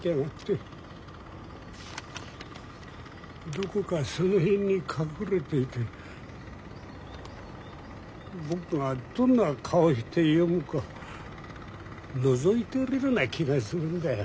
どこかその辺に隠れていて僕がどんな顔して読むかのぞいてるような気がするんだよ。